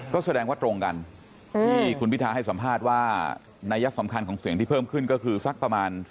ก็แสดงว่าตรงกันที่คุณพิทาให้สัมภาษณ์ว่านัยสำคัญของเสียงที่เพิ่มขึ้นก็คือสักประมาณ